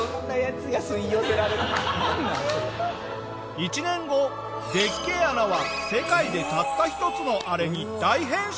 １年後でっけぇ穴は世界でたった一つのあれに大変身！